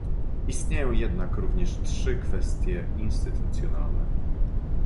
Istnieją jednak również trzy kwestie instytucjonalne